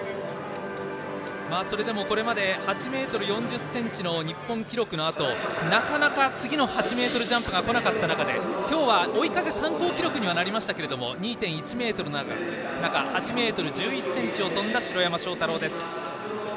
それでもこれまで８ｍ４０ｃｍの日本記録のあとなかなか次の８ｍジャンプが来なかった中で、今日は追い風参考記録になりましたが２．１メートルの中８ｍ１１ｃｍを跳んだ城山正太郎です。